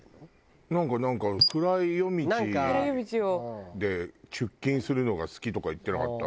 なんか「暗い夜道で出勤するのが好き」とか言ってなかった？